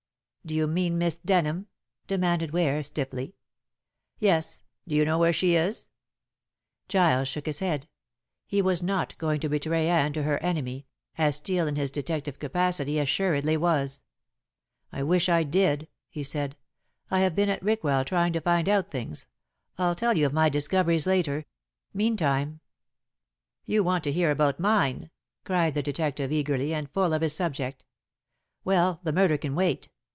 "Do you mean Miss Denham?" demanded Ware stiffly. "Yes. Do you know where she is?" Giles shook his head. He was not going to betray Anne to her enemy, as Steel in his detective capacity assuredly was. "I wish I did," he said. "I have been at Rickwell trying to find out things. I'll tell you of my discoveries later. Meantime " "You want to hear about mine," cried the detective eagerly and full of his subject. "Well, the murder can wait.